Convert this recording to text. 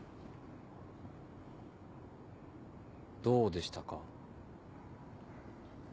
どうでしたか？